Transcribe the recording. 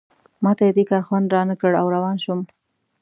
ما ته یې دې کار خوند رانه کړ او روان شوم.